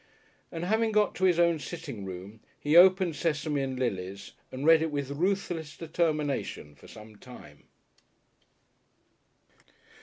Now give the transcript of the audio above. And, having got to his own sitting room, he opened Sesame and Lilies and read it with ruthless determination for some time.